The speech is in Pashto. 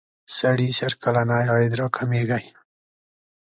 سړي سر کلنی عاید را کمیږی.